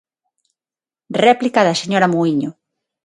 Réplica da señora Muíño.